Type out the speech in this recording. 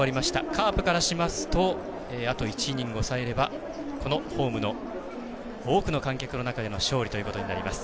カープからしますとあと１イニング抑えればこのホームの多くの観客の中での勝利となります。